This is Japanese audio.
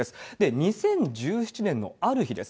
２０１７年のある日です。